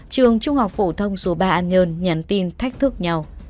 trường trung học phổ thông số ba an nhơn nhắn tin thách thức nhau